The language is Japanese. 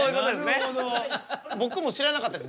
僕も知らなかったです。